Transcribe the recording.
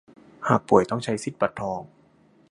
หากป่วยต้องใช้สิทธิบัตรทอง